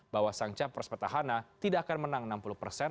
bahwa sang capres petahana tidak akan menang enam puluh persen